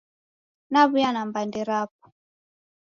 Naw'uya na mbande rapo